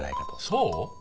そう？